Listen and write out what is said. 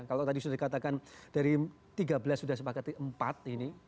kalau tadi sudah dikatakan dari tiga belas sudah sepakati empat ini